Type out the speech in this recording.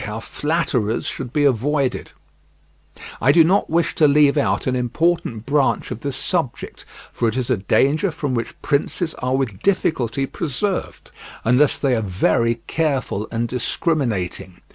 HOW FLATTERERS SHOULD BE AVOIDED I do not wish to leave out an important branch of this subject, for it is a danger from which princes are with difficulty preserved, unless they are very careful and discriminating.